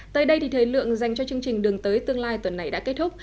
tới đây thì thời lượng dành cho chương trình đường tới tương lai tuần này đã kết thúc